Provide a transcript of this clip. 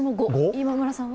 今村さんは？